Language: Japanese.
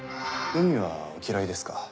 海はお嫌いですか？